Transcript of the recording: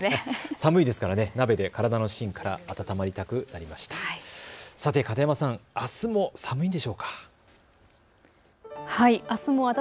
寒いですから鍋で体の芯から温まりたくなりました。